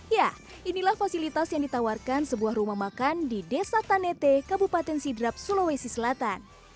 ya inilah fasilitas yang ditawarkan sebuah rumah makan di desa tanete kabupaten sidrap sulawesi selatan